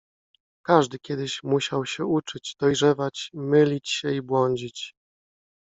Każdy kiedyś mu siał się uczyć, dojrzewać, mylić się i błądzić.